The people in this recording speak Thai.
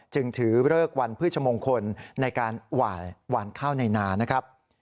จึงถือเลิกวันพฤชมงคลในการหวานข้าวในนานะครับ